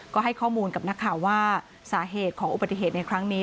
ก็ให้ข้อมูลกับนักข่าวว่าสาเหตุของอุบัติเหตุในครั้งนี้